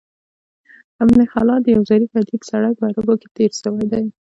ابن خلاد یو ظریف ادیب سړی په عربو کښي تېر سوى دﺉ.